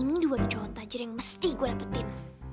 ini dua cowok tajir yang mesti gue dapetin